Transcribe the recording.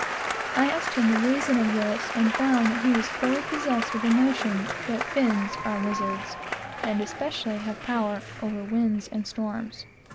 I asked him the reason of this, and found that he was fully possessed with the notion that Fins are wizards, and especially have power over winds and storms.